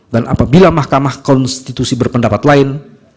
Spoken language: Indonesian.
dan apabila mahkamah konstitusi berpendapat lain